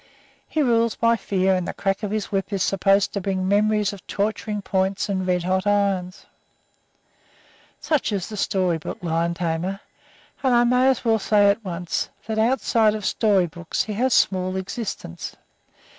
He rules by fear, and the crack of his whip is supposed to bring memories of torturing points and red hot irons. Such is the story book lion tamer, and I may as well say at once that outside of story books he has small existence.